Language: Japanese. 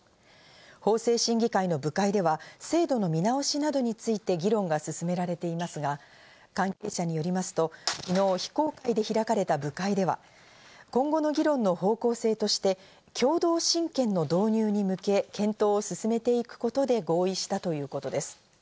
法制審議会の部会では制度の見直しなどについて議論が進められていますが、関係者によりますと昨日、非公開で開かれた部会では今後の議論の方向性として共同親権の導入に向け、検討を進めていくことで合意したということです。